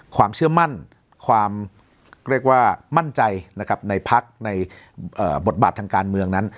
ความเชื่อมั่นความเรียกว่ามั่นใจนะครับในพักในบทบาททางการเมืองนั้น